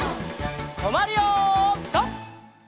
とまるよピタ！